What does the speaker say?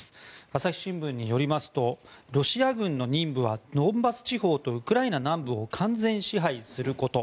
朝日新聞によりますとロシア軍の任務はドンバス地方とウクライナ南部を完全支配すること。